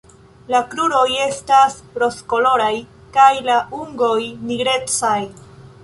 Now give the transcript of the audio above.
La kruroj estas rozkoloraj kaj la ungoj nigrecaj.